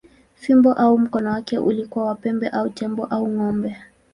Fimbo au mkono wake ulikuwa wa pembe ya tembo au ng’ombe.